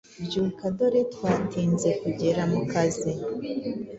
byuka dore twatinze kugera mukazi